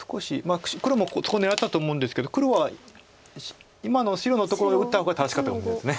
黒もそこ狙ってたと思うんですけど黒は今の白のところへ打った方が正しかったかもしれないです。